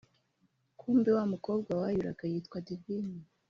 “kumbe wamukobwa wayuraga yitwa divine”